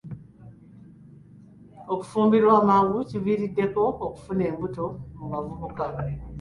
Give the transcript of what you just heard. Okufumbirwa amangu kuviiriddeko okufuna embuto mu bavubuka.